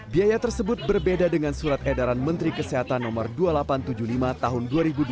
biaya tersebut berbeda dengan surat edaran menteri kesehatan no dua ribu delapan ratus tujuh puluh lima tahun dua ribu dua puluh